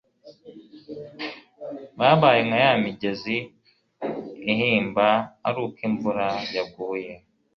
babaye nka ya migezi ihimba ari uko imvura yaguye